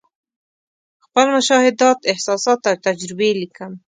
خپل مشاهدات، احساسات او تجربې لیکم.